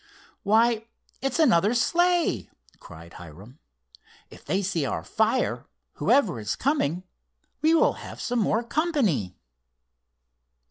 "Why, it's another sleigh!" cried Hiram. "If they see our fire, whoever is coming, we will have some more company."